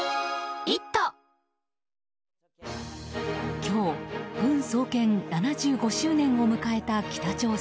今日、軍創建７５周年を迎えた北朝鮮。